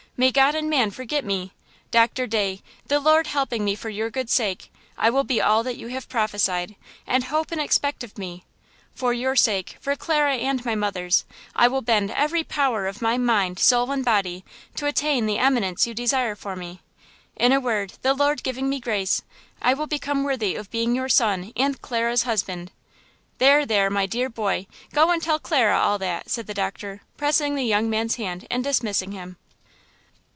may God and man forget me! Doctor Day, the Lord helping me for your good sake, I will be all that you have prophesied, and hope and expect of me! For your sake, for Clara's and my mother's, I will bend every power of my mind, soul and body to attain the eminence you desire for me! In a word, the Lord giving me grace, I will become worthy of being your son and Clara's husband." "There, there, my dear boy, go and tell Clara all that!" said the doctor, pressing the young man's hand and dismissing him.